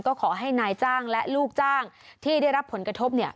ก็ขอให้นายจ้างและลูกจ้างที่ได้รับผลกระทบ